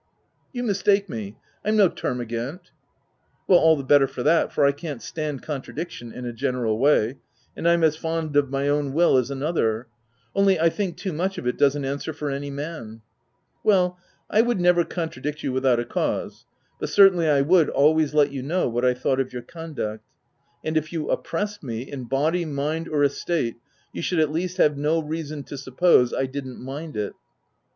" You mistake me : I'm no termagant/' " Well, all the better for that, for I can't stand contradiction — in a general way — and I'm as fond of my own will as another : only I think too much of it dosen't answer for any man/' " Well, I would never contradict you without a cause, but certainly I would always let you know what I thought of your conduct ; and if you oppressed me, in body, mind, or estate, you should at least have no reason to suppose t I didn't mind it.'